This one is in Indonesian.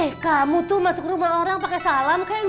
eh kamu tuh masuk rumah orang pakai salam kan